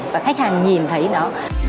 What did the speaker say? và khách hàng nhìn thấy đó